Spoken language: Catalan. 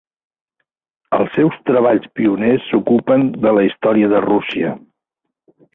Els seus treballs pioners s'ocupen de la història de Rússia.